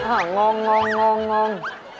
อ้าวงง